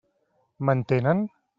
M'entenen?